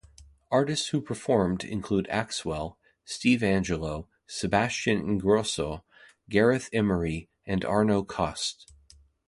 Artists who performed include Axwell, Steve Angello, Sebastian Ingrosso, Gareth Emery, and Arno Cost.